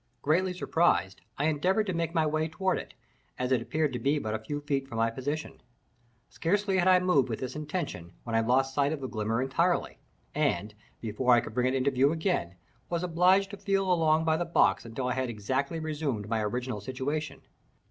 Greatly surprised, I endeavored to make my way toward it, as it appeared to be but a few feet from my position. Scarcely had I moved with this intention, when I lost sight of the glimmer entirely, and, before I could bring it into view again, was obliged to feel along by the box until I had exactly resumed my original situation.